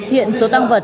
hiện số tăng vật